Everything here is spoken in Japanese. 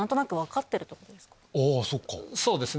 そうですね。